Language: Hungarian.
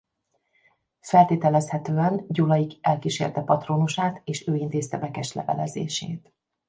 Feltételezhetően Gyulai elkísérte patrónusát és ő intézte Bekes levelezését.